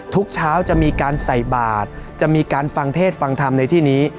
ทุกเช้าจะมีการใส่บาทจะมีการฟังเทศฟังธรรมในที่นี้